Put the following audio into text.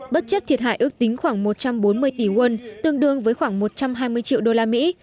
bất chấp thiệt hại ước tính khoảng một trăm bốn mươi tỷ won tương đương với khoảng một trăm hai mươi triệu đô la mỹ